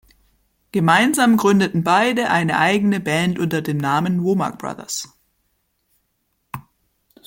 Gemeinsam gründeten beide eine eigene Band unter dem Namen "Womack Brothers".